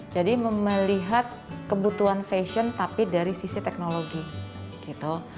jadi melihat kebutuhan fashion tapi dari sisi teknologi gitu